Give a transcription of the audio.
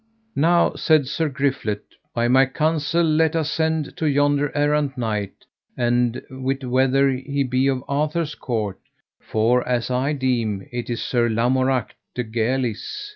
Now, said Sir Griflet, by my counsel let us send to yonder errant knight, and wit whether he be of Arthur's court, for as I deem it is Sir Lamorak de Galis.